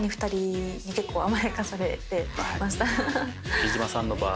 貴島さんの場合。